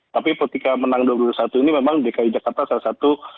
tapi ketika menang dua ribu dua puluh satu ini memang dki jakarta salah satu